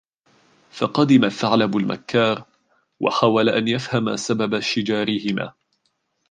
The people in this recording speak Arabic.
فقَدِم الثعلب المكّار وحاول أن يفهم سبب شجارهما